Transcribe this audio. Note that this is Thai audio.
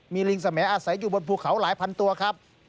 มีลิงสมัยอาศัยอยู่บนภูเขาหลายพันตัวครับ